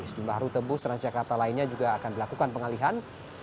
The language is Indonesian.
sejumlah rute bus transjakarta lainnya juga akan dilakukan pengalihan